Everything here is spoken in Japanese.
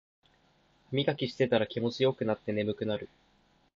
ハミガキしてたら気持ちよくなって眠くなる